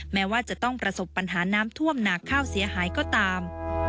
แม้ว่าจะต้องประสบปัญหาน้ำท่วมหนักข้าวเสียหายก็ตาม